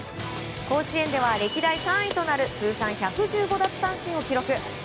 甲子園では歴代３位となる通算１１５奪三振を記録。